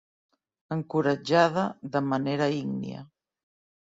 Encoratjada de manera ígnia.